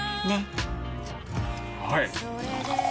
はい！